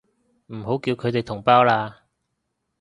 唔好叫佢哋同胞啦